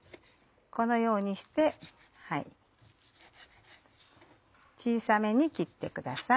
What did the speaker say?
このようにして小さめに切ってください。